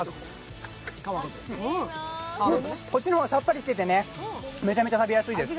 うん、こっちの方がさっぱりしててめちゃめちゃ食べやすいです。